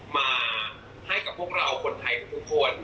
มาให้กับพวกเราคนไทยทุกคน